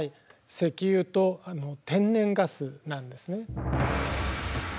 石油と天然ガスなんですね。